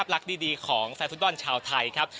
รักดีของแฟนฟุตบอลชาวไทยครับ